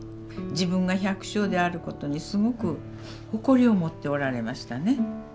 自分が百姓であることにすごく誇りを持っておられましたね。